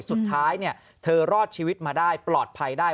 สุดท้ายเธอรอดชีวิตมาได้ปลอดภัยได้